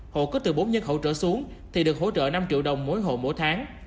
hộ có từ bốn nhân hỗ trợ xuống thì được hỗ trợ năm triệu đồng mỗi hộ mỗi tháng